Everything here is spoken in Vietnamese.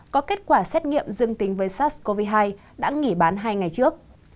có kết quả xét nghiệm dương tính với sars cov hai đã nghỉ bán hai ngày trước